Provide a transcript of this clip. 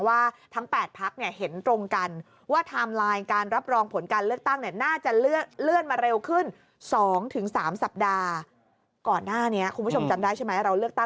ยังรับมือได้อยู่ไหมคะ